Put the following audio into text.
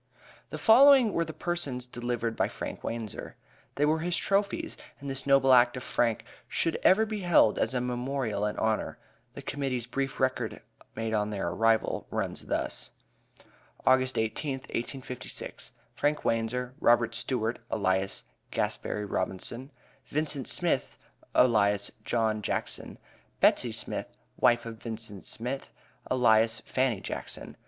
The following were the persons delivered by Frank Wanzer. They were his trophies, and this noble act of Frank's should ever be held as a memorial and honor. The Committee's brief record made on their arrival runs thus: "August 18, 1856. Frank Wanzer, Robert Stewart, alias Gasberry Robison, Vincent Smith, alias John Jackson, Betsey Smith, wife of Vincent Smith, alias Fanny Jackson.